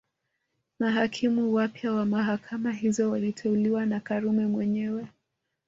Mahakimu wapya wa mahakama hizo waliteuliwa na Karume mwenyewe